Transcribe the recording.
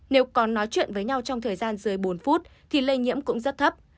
nếu còn nói chuyện với nhau trong thời gian dưới bốn phút thì lây nhiễm cũng rất thấp